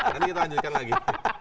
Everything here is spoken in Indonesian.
nanti kita lanjutkan lagi